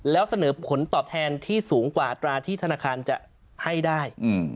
แล้วเสนอผลตอบแทนที่สูงกว่าอัตราที่ธนาคารจะให้ได้